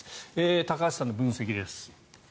高橋さんの分析です。